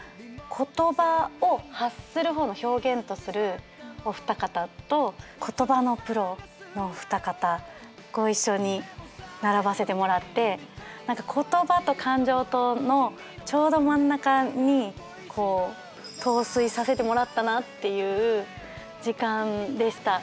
言葉を発する方の表現とするお二方と言葉のプロのお二方ご一緒に並ばせてもらって言葉と感情とのちょうど真ん中に陶酔させてもらったなっていう時間でした。